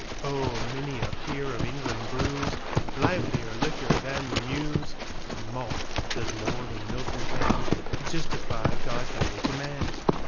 Oh many a peer of England brewsLivelier liquor than the Muse, And malt does more than Milton canTo justify God's ways to man.